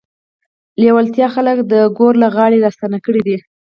لېوالتیا خلک د ګور له غاړې راستانه کړي دي.